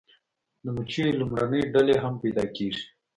د مچیو لومړنۍ ډلې هم پیدا کیږي